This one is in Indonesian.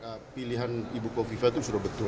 saya kira pilihan ibu khofifah itu sudah betul